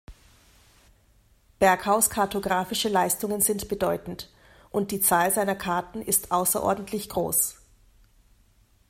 Berghaus’ kartographische Leistungen sind bedeutend, und die Zahl seiner Karten ist außerordentlich groß.